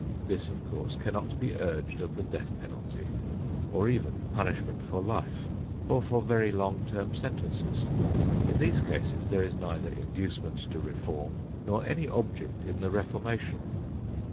This, of course, cannot be urged of the death penalty or even punishment for life, or for very long term sentences. In these cases there is neither inducement to reform nor any object in the reformation.